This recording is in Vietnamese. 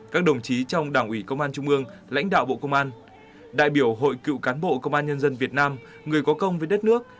các đồng chí trong đảng ủy công an trung ương lãnh đạo bộ công an đại biểu hội cựu cán bộ công an nhân dân việt nam người có công với đất nước